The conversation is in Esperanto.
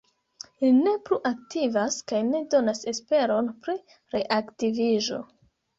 Ili ne plu aktivas kaj ne donas esperon pri reaktiviĝo.